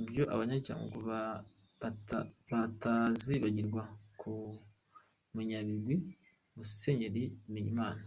Ibyo Abanya-Cyangugu batazibagirwa ku munyabigwi Musenyeri Bimenyimana .